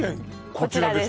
こちらです